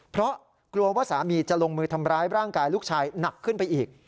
เพราะกลัวว่าสามีจะลงมือทำร้ายร่างกายลูกชายหนักขึ้นไปอีก